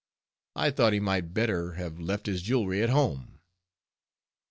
I thought he might better have left his jewelry at home.